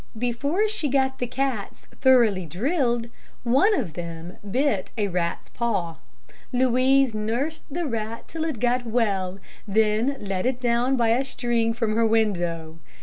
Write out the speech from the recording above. Before she got the cats thoroughly drilled one of them bit a rat's paw. Louise nursed the rat till it got well, then let it down by a string from her window.